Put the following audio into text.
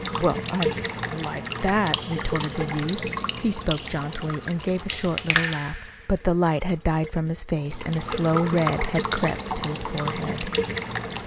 "Well, I I like that," retorted the youth. He spoke jauntily, and gave a short little laugh. But the light had died from his face and a slow red had crept to his forehead.